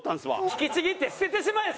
引きちぎって捨ててしまえ！